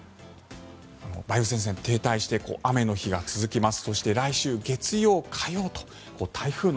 梅雨前線、停滞して雨の日が続きます。